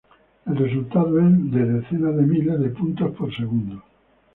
El resultado es de decenas de miles de puntos por segundo.